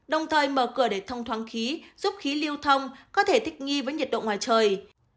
đồng thời mở cửa để thông thoáng khí giúp khí lưu thông có thể thích nghi với nhiệt độ ngoài trời